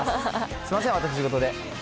すみません、私事で。